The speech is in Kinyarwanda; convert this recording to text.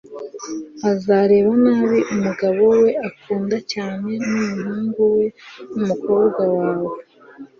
azareba nabi umugabo we akunda cyane n'umuhungu we n'umukobwawe